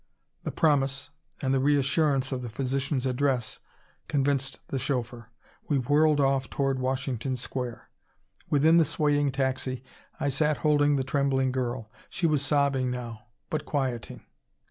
The promise and the reassurance of the physician's address convinced the chauffeur. We whirled off toward Washington Square. Within the swaying taxi I sat holding the trembling girl. She was sobbing now, but quieting.